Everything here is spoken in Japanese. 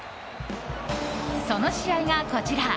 その試合が、こちら。